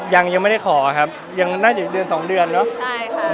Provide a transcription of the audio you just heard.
ยังไม่ได้ขอครับยังน่าจะเดือนสองเดือนเนอะใช่ค่ะ